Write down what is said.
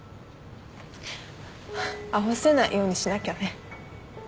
会わせないようにしなきゃね。